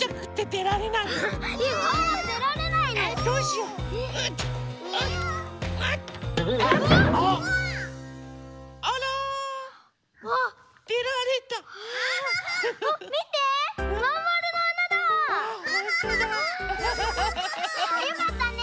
よかったね。